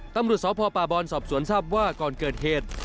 ตำรวจสพป่าบอนสอบสวนทราบว่าก่อนเกิดเหตุ